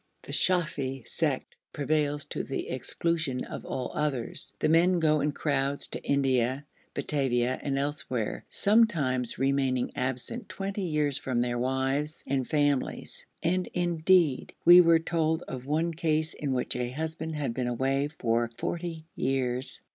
The Shafi sect prevails to the exclusion of all others. The men go in crowds to India, Batavia, and elsewhere, sometimes remaining absent twenty years from their wives and families, and indeed we were told of one case in which a husband had been away for forty years.